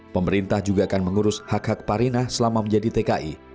pemerintah juga akan mengurus hak hak parinah selama menjadi tki